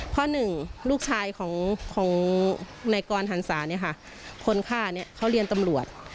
พ่อหนึ่งลูกชายของนายกรหันศาเนี่ยค่ะคนฆ่าเนี่ยเขาเรียนตำรวจ